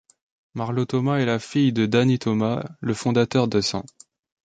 Marlo Thomas est la fille de Danny Thomas, le fondateur de St.